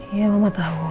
iya mama tahu